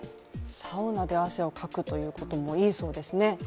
サウナで汗をかくということもいいそうですね